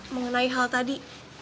mengenai hal tadi